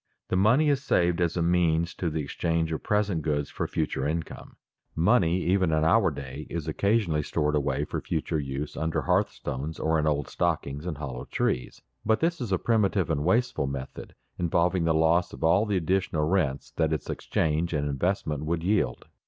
The money is saved as a means to the exchange of present goods for future income. Money even in our day is occasionally stored away for future use under hearthstones or in old stockings and hollow trees, but this is a primitive and wasteful method, involving the loss of all the additional rents that its exchange and investment would yield.